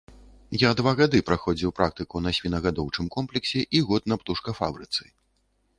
Я два гады праходзіў практыку на свінагадоўчым комплексе і год на птушкафабрыцы.